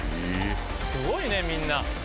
すごいねみんな！